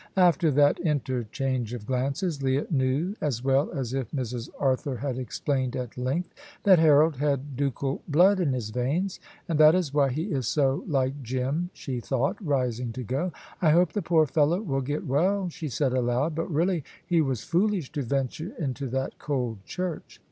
After that interchange of glances Leah knew, as well as if Mrs. Arthur had explained at length, that Harold had ducal blood in his veins. "And that is why he is so like Jim," she thought, rising to go. "I hope the poor fellow will get well," she said aloud; "but really, he was foolish to venture into that cold church."